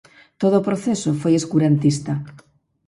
Todo o proceso foi escurantista.